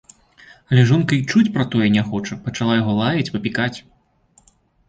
Але жонка і чуць пра тое не хоча, пачала яго лаяць і папікаць